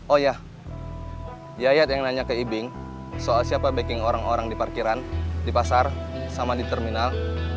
oh ya yayat yang nanya ke ibing soal siapa backing orang orang di parkiran di pasar sama di terminal